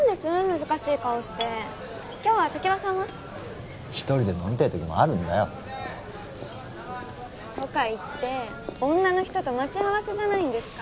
難しい顔して今日は常盤さんは？一人で飲みたい時もあるんだよとかいって女の人と待ち合わせじゃないんですか？